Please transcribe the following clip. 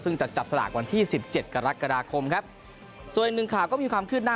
ซึ่งจะจับสนับกว่าที่๑๗กรกฎาคมครับส่วนอีกหนึ่งมีความขึ้นหน้า